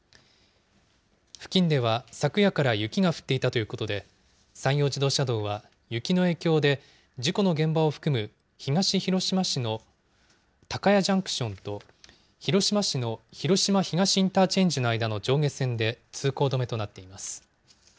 付近では昨夜から雪が降っていたということで、山陽自動車道は雪の影響で、事故の現場を含む東広島市の高屋ジャンクションと、広島市の広島東インターチェンジの間の上下線で通行止めとなっています。